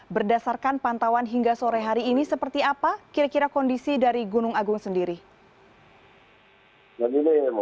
berdasarkan pantauan hingga sore hari ini seperti apa kira kira kondisi dari gunung agung sendiri